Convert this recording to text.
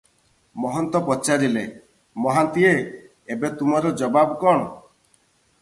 ମହନ୍ତ ପଚାରିଲେ, "ମହାନ୍ତିଏ! ଏବେ ତୁମର ଜବାବ କଣ?"